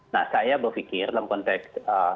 nah saya berpikir dalam konteks